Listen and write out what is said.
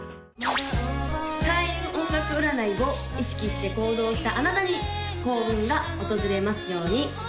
開運音楽占いを意識して行動したあなたに幸運が訪れますように！